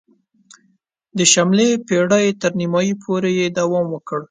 د شلمې پېړۍ تر نیمايی پورې یې دوام وکړ.